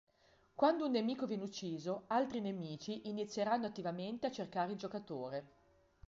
Quando un nemico viene ucciso, altri nemici inizieranno attivamente a cercare il giocatore.